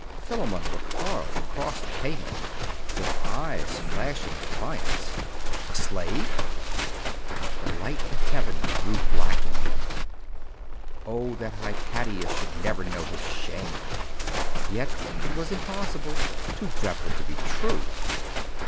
Philammon recoiled across the pavement, with eyes flashing defiance. A slave! The light of heaven grew black to him.... Oh, that Hypatia might never know his shame! Yet it was impossible. Too dreadful to be true....